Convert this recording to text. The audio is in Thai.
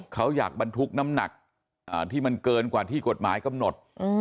เขาอยากบรรทุกน้ำหนักที่มันเกินกว่าที่กฎหมายกำหนด